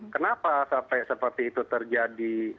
kenapa sampai seperti itu terjadi